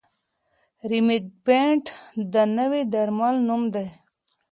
ریمیګیپینټ د نوي درمل نوم دی.